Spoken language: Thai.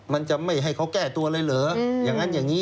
มันจะไม่ให้เขาแก้ตัวเลยเหรออย่างนั้นอย่างนี้